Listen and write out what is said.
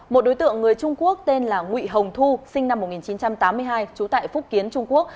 một đối tượng người trung quốc tên là nguy hồng thu sinh năm một nghìn chín trăm tám mươi hai trú tại phúc kiến trung quốc